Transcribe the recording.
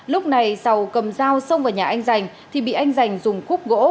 lúc này dầu cầm dao xông vào nhà anh dành thì bị anh dành dùng cúp gỗ